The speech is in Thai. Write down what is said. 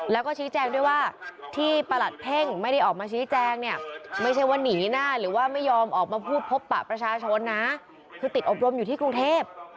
แล้วก็ชี้แจงด้วยว่าที่ประหลัดเพ่งไม่ได้ออกมาชี้แจงเนี่ยไม่ใช่ว่าหนีหน้าหรือว่าไม่ยอมออกมาพูดพบปะประชาชนนะคือติดอบรมอยู่ที่กรุงเทพ